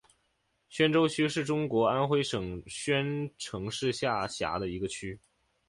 宣州区是中国安徽省宣城市下辖的一个区。